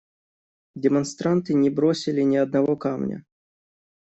Демонстранты не бросили ни одного камня.